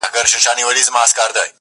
په یوه سترګک یې داسي هدف و ویشت،